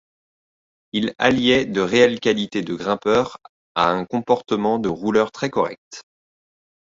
Il alliait de réelles qualités de grimpeur à un comportement de rouleur très correct.